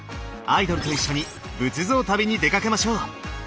アイドルと一緒に仏像旅に出かけましょう。